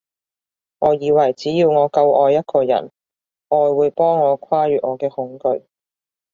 我以為只要我夠愛一個人，愛會幫我跨越我嘅恐懼